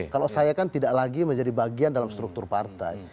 kalau saya kan tidak lagi menjadi bagian dalam struktur partai